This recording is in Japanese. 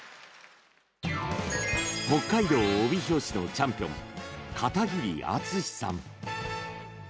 北海道帯広市のチャンピオン片桐淳志さん。